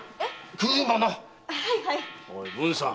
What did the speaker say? おい文さん！